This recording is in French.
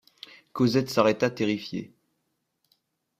Cosette s’arrêta terrifiée.